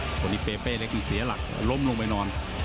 ตอนนี้เปเป้เล็กเสียหลักล้มลงไปนอน